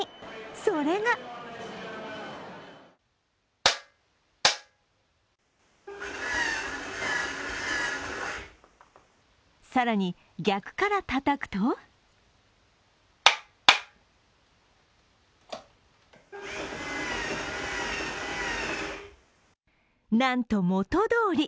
それが更に逆からたたくとなんと、元どおり。